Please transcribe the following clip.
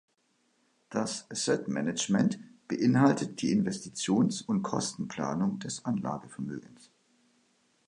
Das Asset-Management beinhaltet die Investitions- und Kostenplanung des Anlagevermögens.